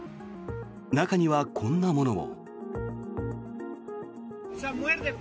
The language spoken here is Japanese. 中にはこんなものも。